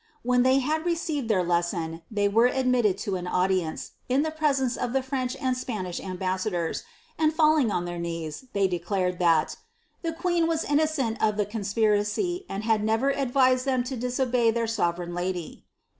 When they had ired their lesson, they were admitted to an audience, in the presence le French and Spanish ambassadors, and falling on their knees, they iivd thai the queen was innocent of the conspiracy, and had never Kd them to disobey their sovereign lady.''